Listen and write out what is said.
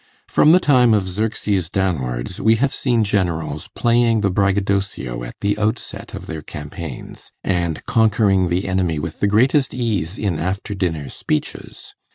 From the time of Xerxes downwards, we have seen generals playing the braggadocio at the outset of their campaigns, and conquering the enemy with the greatest ease in after dinner speeches.